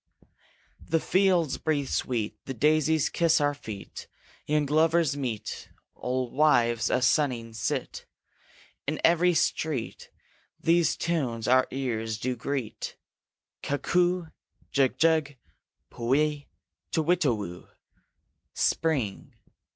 The fields breathe sweet, the daisies kiss our feet, Young lovers meet, old wives a sunning sit, In every street, these tunes our ears do greet, Cuckoo, jug jug, pu we, to witta woo! Spring!